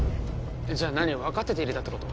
じゃ何？分かってて入れたってこと？